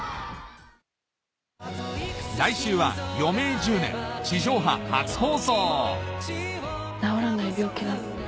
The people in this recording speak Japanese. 来週は『余命１０年』地上波初放送治らない病気なの。